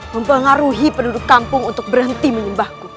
mempengaruhi penduduk kampung untuk berhenti menyembahku